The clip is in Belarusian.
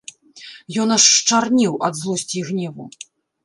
Ён аж счарнеў ад злосці і гневу.